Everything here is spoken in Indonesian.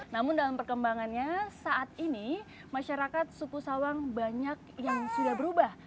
namun dalam perkembangannya saat ini masyarakat suku sawang banyak yang sudah berubah